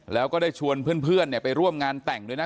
แล้วก็ได้ชวนเพื่อนไปร่วมงานแต่งด้วยนะ